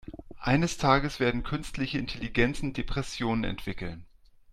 Eines Tages werden künstliche Intelligenzen Depressionen entwickeln.